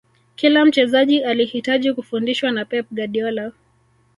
kila mchezaji alihitaji kufundishwa na pep guardiola